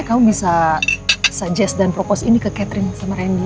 kamu bisa suggest dan propose ini ke catherine sama randy ya